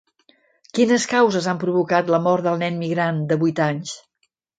Quines causes han provocat la mort del nen migrant de vuit anys?